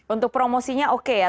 untuk promosinya oke ya